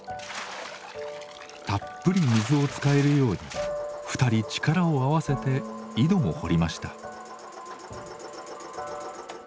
たっぷり水を使えるように２人力を合わせて井戸も掘りました。